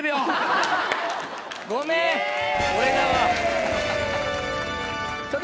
ごめん俺だわ。